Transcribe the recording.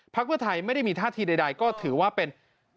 เพื่อไทยไม่ได้มีท่าทีใดก็ถือว่าเป็น